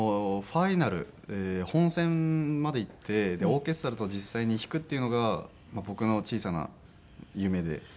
ファイナル本戦まで行ってオーケストラと実際に弾くっていうのが僕の小さな夢で。